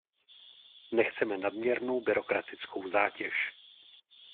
Nechceme nadměrnou byrokratickou zátěž.